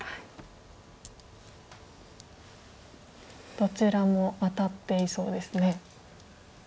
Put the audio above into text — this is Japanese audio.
どちらもアタっていそうですね。